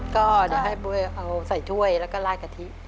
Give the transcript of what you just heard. ก็เดี๋ยวให้เอาใส่ถ้วยแล้วก็ลาดกะทิ